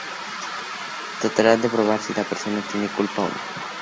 Tratarán de probar si la persona tiene la culpa o no.